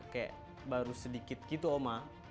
kayak baru sedikit gitu oma